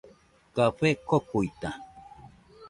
Café kokuita.